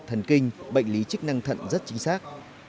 thần kinh bệnh lý chức năng thận rất chính xác